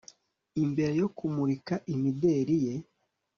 imbere yo kumurika imideri ye